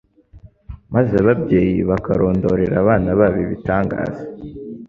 maze ababyeyi bakarondorera abana babo ibitangaza